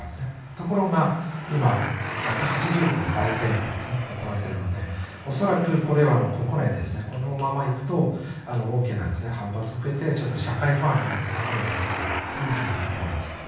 ところが今、１８０度の大転換を行っているので恐らくこれは国内でこのままいくと大きな反発を受けて社会不安にもつながるのではと思います。